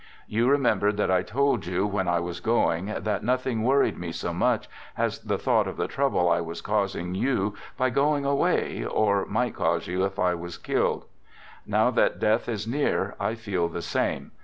You re member that I told you when I was going that noth ing worried me so much as the thought of the trouble I was causing you by going away, or might cause you if I was killed. Now that death is near I feel the same.